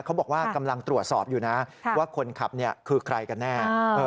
เขาบอกว่ากำลังตรวจสอบอยู่นะว่าคนขับคือใครกันแน่